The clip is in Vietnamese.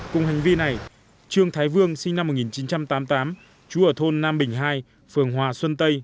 cùng hành vi này trương thái vương sinh năm một nghìn chín trăm tám mươi tám chú ở thôn nam bình hai phường hòa xuân tây